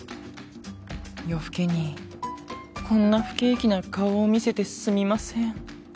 夜更けにこんな不景気な顔を見せてすみません